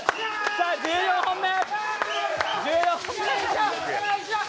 さあ１４本目。